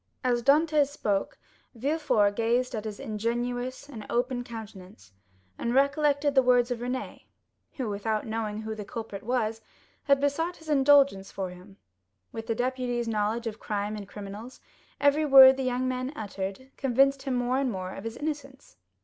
As Dantès spoke, Villefort gazed at his ingenuous and open countenance, and recollected the words of Renée, who, without knowing who the culprit was, had besought his indulgence for him. With the deputy's knowledge of crime and criminals, every word the young man uttered convinced him more and more of his innocence.